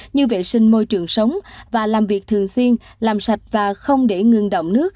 như vệ sinh môi trường sống và làm việc thường xuyên làm sạch và không để ngưng động nước